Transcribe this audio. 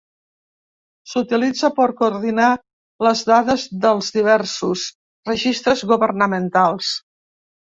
S'utilitza per coordinar les dades dels diversos registres governamentals.